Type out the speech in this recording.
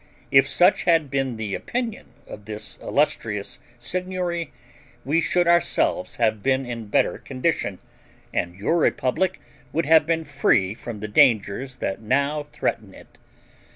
If such had been the opinion of this illustrious Signory, we should ourselves have been in better condition, and your republic would have been free from the dangers that now threaten it.